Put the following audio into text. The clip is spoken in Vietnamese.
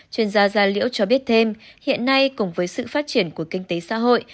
chuyên gia gia liễu cho biết thêm hiện nay cùng với sự phát triển của kinh tế xã hội